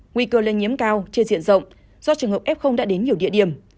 nguy cơ lên nhiếm cao trên diện rộng do trường hợp f đã đến nhiều địa điểm